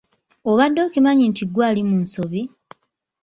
Obadde okimanyi nti ggwe ali mu nsobi?